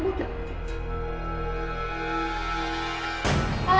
kenapa tuh boneka